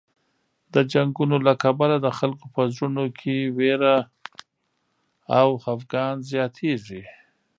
د جنګونو له کبله د خلکو په زړونو کې وېره او خفګان زیاتېږي.